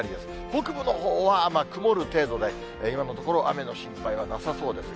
北部のほうは曇る程度で今のところ、雨の心配はなさそうです。